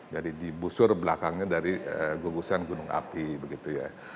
jadi di busur belakangnya dari gugusan gunung api begitu ya